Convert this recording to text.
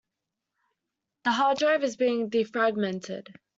The hard drive is being defragmented.